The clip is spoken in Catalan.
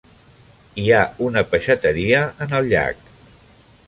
Hi ha una peixateria en el llac.